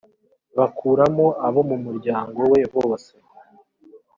bakuramo abo mu muryango we bose